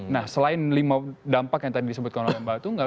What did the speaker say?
nah selain lima dampak yang tadi disebutkan oleh mbak tunggal